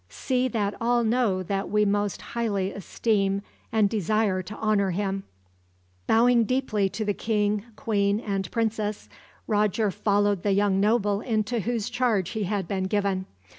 See that all know that we most highly esteem and desire to honor him." Bowing deeply to the king, queen, and princess, Roger followed the young noble into whose charge he had been given.